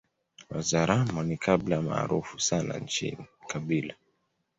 Wazaramo ni kabila maarufu sana nchini